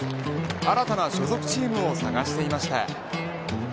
新たな所属チームを探していました。